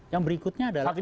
yang berikutnya adalah